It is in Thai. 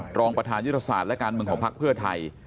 รองประธานยุทธศาสตร์และการเมืองของภักดิ์เพื่อไทย